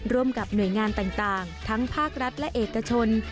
ร่วมกับหน่วยงานต่างทั้งภาครัฐและเอกชน